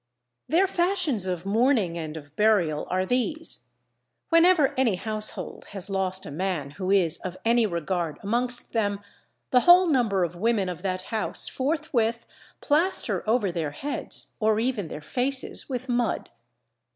Their fashions of mourning and of burial are these: Whenever any household has lost a man who is of any regard amongst them, the whole number of women of that house forthwith plaster over their heads or even their faces with mud.